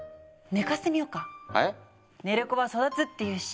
寝る子は育つっていうし。